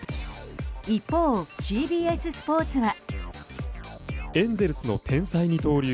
一方、ＣＢＳスポーツは。